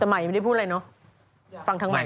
แต่ใหม่ยังไม่ได้พูดอะไรเนอะฟังทั้งใหม่